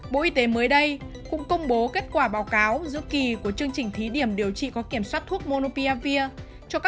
bộ y tế mới đây cũng công bố kết quả báo cáo giữa kỳ của chương trình thí điểm điều trị có kiểm soát thuốc monopia